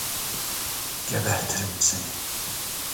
Gebertirim seni!